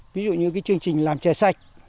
ví dụ như cái chương trình làm trẻ sạch